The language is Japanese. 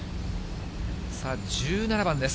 さあ１７番です。